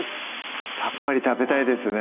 さっぱり食べたいですね